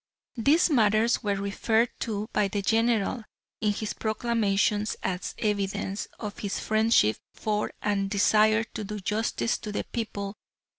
These matters were referred to by the General in his proclamation as evidence of his friendship for and desire to do justice to the people.